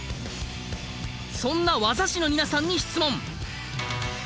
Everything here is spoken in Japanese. そんな業師の皆さんに質問。